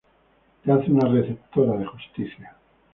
Te hace una receptora de justicia.